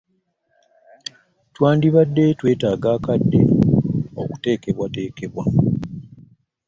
Twandibadde twetaaga akadde okuteekebwateekebwa.